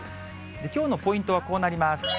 きょうのポイントはこうなります。